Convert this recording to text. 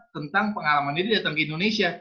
tentang pengalaman dia di indonesia